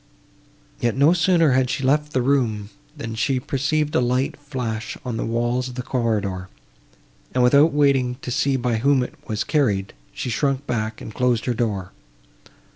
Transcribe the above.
Yet no sooner had she left the room, than she perceived a light flash on the walls of the corridor, and, without waiting to see by whom it was carried, she shrunk back, and closed her door.